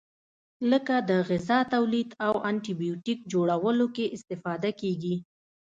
لکه د غذا تولید او انټي بیوټیک جوړولو کې استفاده کیږي.